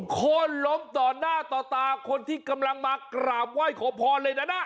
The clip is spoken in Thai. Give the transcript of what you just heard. คนล้มต่อหน้าต่อตาคนที่กำลังมากราบไหว้ขอพรเลยนะ